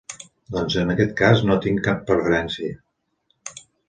Doncs, en aquest cas, no tinc cap preferència.